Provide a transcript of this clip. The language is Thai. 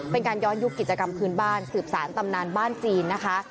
เป็นการย้อนยุคกิจกรรมพื้นบ้านสืบสารตำนานบ้านจีนนะคะ